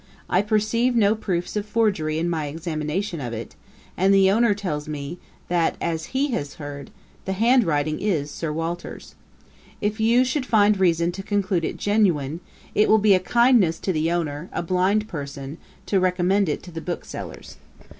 I perceive no proofs of forgery in my examination of it; and the owner tells me, that as he has heard, the handwriting is Sir Walter's. If you should find reason to conclude it genuine, it will be a kindness to the owner, a blind person, to recommend it to the booksellers.